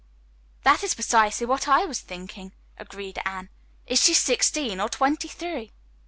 "That is precisely what I was thinking," agreed Anne. "Is she sixteen or twenty three?"